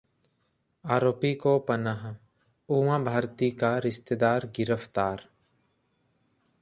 अपराधी को पनाह, उमा भारती का रिश्तेदार गिरफ्तार